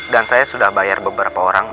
dan saya sudah bayar beberapa orang